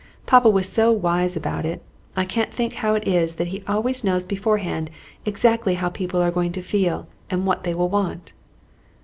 Papa was so wise about it. I can't think how it is that he always knows beforehand exactly how people are going to feel, and what they will want!"